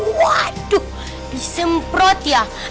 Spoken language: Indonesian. waduh disemprot ya